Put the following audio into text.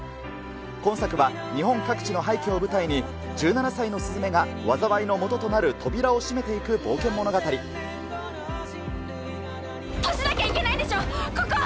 今作は、日本各地の廃虚を舞台に、１７歳の鈴芽が災いのもととなる扉を閉閉じなきゃいけないんでしょ？